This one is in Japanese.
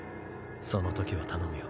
そのときは頼むよ。